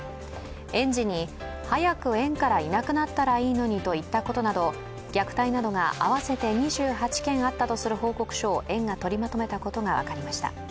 園児に、早く園からいなくなったらいいのにと言ったことなど虐待などが合わせて２８件あったとする報告書を園がとりまとめたことが分かりました。